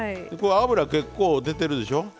これ脂結構出てるでしょ？